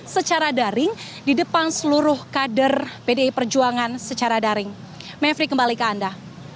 secara daring di depan seluruh kader pdi perjuangan secara daring mevri kembali ke anda